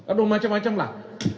aduh macam macam lah